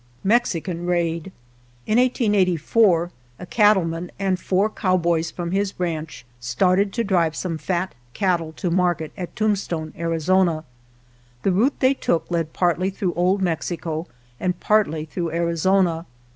Meancan Raid In 1884 a cattleman and four cowboys from his ranch started to drive some fat cattle to market at Tombstone, Arizona. The route they took led partly through Old Mexico and partly through Arizona.